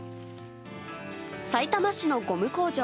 さいたま市のゴム工場。